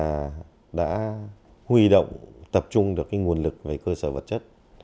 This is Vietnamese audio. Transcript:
chúng ta đã huy động tập trung được cái nguồn lực về cơ sở vật chất